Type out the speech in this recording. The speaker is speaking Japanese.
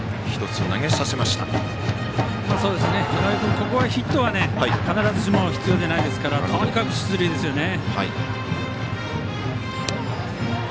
ここはヒットが必ずしも必要ではないですからとにかく出塁ですよね。